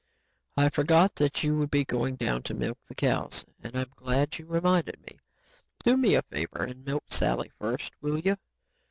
"I forgot that you would be going down to milk the cows and I'm glad you reminded me. Do me a favor and milk Sally first, will you?